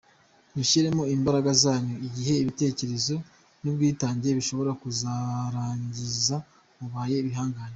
Mushyiremo imbaraga zanyu, igihe, ibitekerezo n’ubwitange mushobora kuzarangiza mubaye ibihangange.”